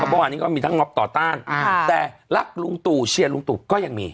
เมื่อวานนี้ก็มีทั้งงบต่อต้านแต่รักลุงตู่เชียร์ลุงตู่ก็ยังมี